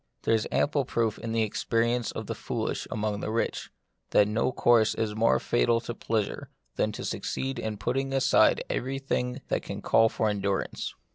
There is ample proof in the experi ence of the foolish among the rich, that no course is more fatal to pleasure than to suc ceed in putting aside everything that can call for endurance.